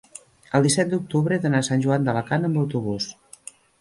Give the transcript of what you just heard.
El disset d'octubre he d'anar a Sant Joan d'Alacant amb autobús.